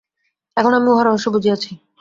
এখন আমি উহার রহস্য বুঝিয়াছি।